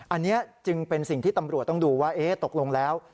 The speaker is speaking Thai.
อันนี้จึงเป็นสิ่งที่ตำรวจต้องดูว่าตกลงแล้ว